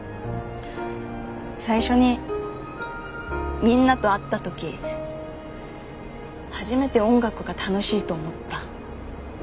最初にみんなと会った時初めて音楽が楽しいと思った。